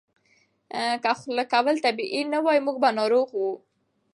که خوله کول طبیعي نه وای، موږ به ناروغ وای.